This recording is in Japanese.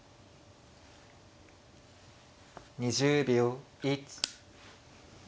２０秒。